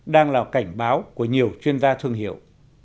đang là cảnh báo của nhiều chuyên gia thương hiệu